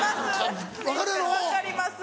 分かります。